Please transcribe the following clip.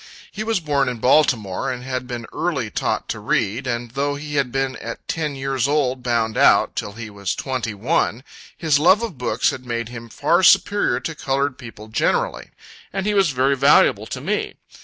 He was born in Baltimore, and had been early taught to read, and though he had been at ten years old bound out, till he was twenty one, his love of books had made him far superior to colored people generally, and he was very valuable to me.